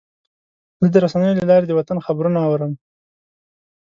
زه د رسنیو له لارې د وطن خبرونه اورم.